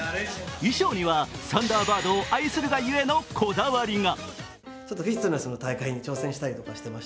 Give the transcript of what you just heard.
衣装には、「サンダーバード」を愛するがゆえのこだわりが。